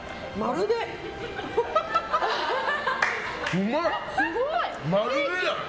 うまい！